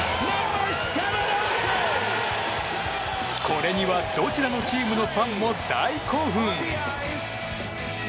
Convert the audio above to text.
これにはどちらのチームのファンも大興奮！